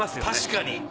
確かに。